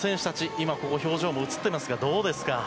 今、表情も映っていますがどうですか？